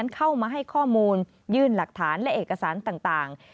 เข้ามาให้ข้อมูลยื่นหลักฐานและเอกสารต่าง